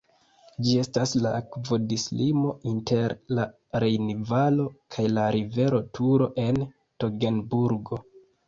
Ĝi estas la akvodislimo inter la Rejnvalo kaj la rivero Turo en Togenburgo.